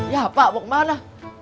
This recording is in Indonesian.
ya pak mau kemana